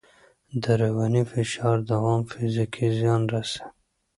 د رواني فشار دوام فزیکي زیان رسوي.